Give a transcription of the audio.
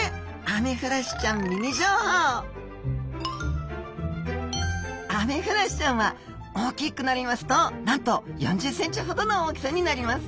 アメフラシちゃんは大きくなりますとなんと４０ｃｍほどの大きさになります。